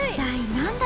何だ？